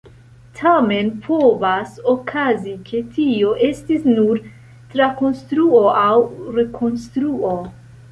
Tamen povas okazi, ke tio estis nur trakonstruo aŭ rekonstruo.